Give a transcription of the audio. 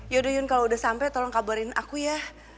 yaudah yun kalau udah sampai tolong kabarin aku ya